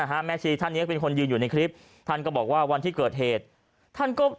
หรือว่าคนที่โพสต์คลิปนั้นเอาคลิปนี้มาจากที่ไหน